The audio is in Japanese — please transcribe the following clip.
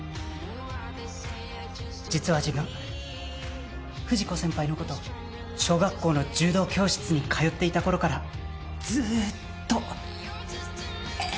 実は自分不二子先輩の事小学校の柔道教室に通っていた頃からずーっと。